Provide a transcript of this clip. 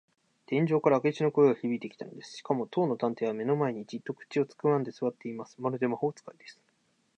天井から明智の声がひびいてきたのです。しかも、当の探偵は目の前に、じっと口をつぐんですわっています。まるで魔法使いです。